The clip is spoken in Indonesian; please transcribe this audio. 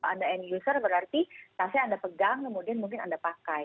ada end user berarti tasnya anda pegang kemudian mungkin anda pakai